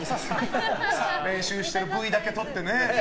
練習してＶだけ撮ってね。